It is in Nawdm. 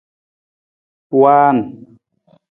Waan.